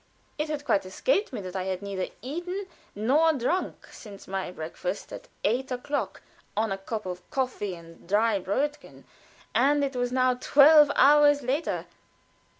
It had quite escaped me that I had neither eaten nor drunk since my breakfast at eight o'clock, on a cup of coffee and dry Brödchen, and it was now twelve hours later.